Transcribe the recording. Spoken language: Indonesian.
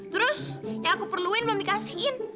terus yang aku perluin belum dikasihin